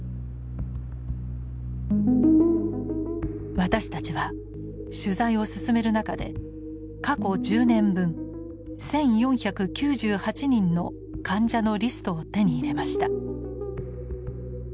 私たちは取材を進める中で過去１０年分１，４９８人の患者のリストを手に入れました。